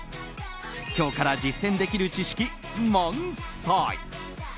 今日から実践できる知識が満載。